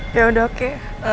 ya udah oke